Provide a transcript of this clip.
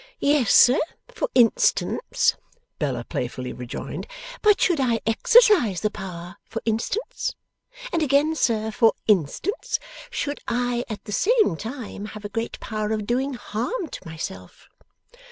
'Yes, sir, for instance,' Bella playfully rejoined; 'but should I exercise the power, for instance? And again, sir, for instance; should I, at the same time, have a great power of doing harm to myself?